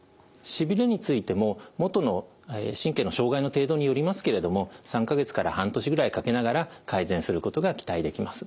しびれについてももとの神経の障害の程度によりますけれども３か月から半年ぐらいかけながら改善することが期待できます。